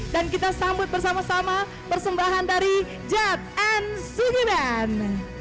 dan kita sambut bersama sama persembahan dari jat sunyidan